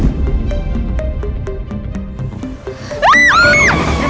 saat itu aku anggap sebagai saudaranya suami aku aja